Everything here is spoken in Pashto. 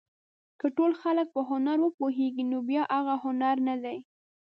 که ټول خلک په هنر وپوهېږي نو بیا هغه هنر نه دی.